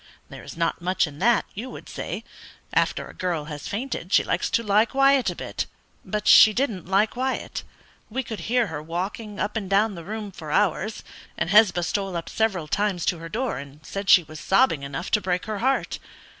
There is not much in that, you would say; after a girl has fainted she likes to lie quiet a bit; but she didn't lie quiet. We could hear her walking up and down the room for hours, and Hesba stole up several times to her door and said she was sobbing enough to break her heart.